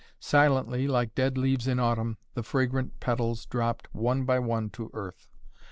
Silently, like dead leaves in autumn, the fragrant petals dropped one by one to earth.